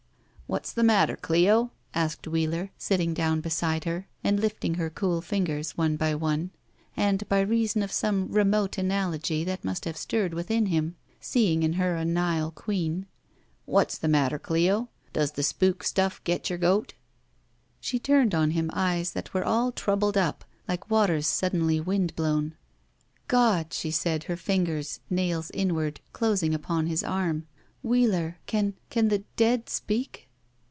"What's the matter, Cleo?" asked Wheeler, sitting down beside her and lifting her cool fingers 79 / BACK PAY one by one, and, by reason of some remote analogy that must have stirred within him, seeing in her a Nile queen. What's the matter Cleo? Does the spook stuflE get your goat?" She turned on him eyes that were all troubled up, like waters suddenly wind blown. "God!" she said, her fingers, nails inward, closing about his arm. "Wheeler — can — can the — dead — speak?"